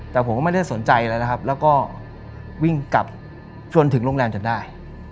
แต่ผมก็ไม่ได้สนใจอะไรนะครับแล้วก็วิ่งกลับจนถึงโรงแรมจนได้